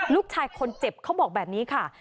ลูกชายคนเจ็บเขาบอกแบบนี้ค่ะ